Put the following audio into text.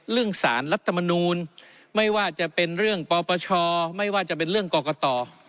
สารรัฐมนูลไม่ว่าจะเป็นเรื่องปปชไม่ว่าจะเป็นเรื่องกรกต